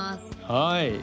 はい。